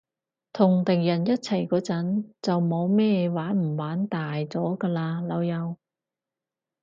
同敵人一齊嗰陣，就冇咩玩唔玩大咗㗎喇，老友